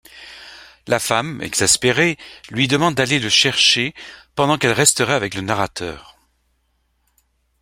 La femme, exaspérée, lui demande d'aller le chercher pendant qu'elle resterait avec le narrateur.